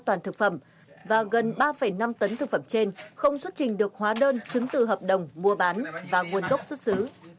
an toàn thực phẩm và gần ba năm tấn thực phẩm trên không xuất trình được hóa đơn chứng từ hợp đồng mua bán và nguồn gốc xuất xứ